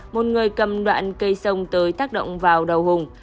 một người cầm đoạn cây sông tới tác động vào đầu hùng